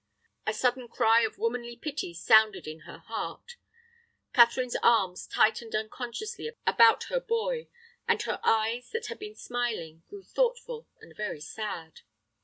A sudden cry of womanly pity sounded in her heart. Catherine's arms tightened unconsciously about her boy, and her eyes, that had been smiling, grew thoughtful and very sad.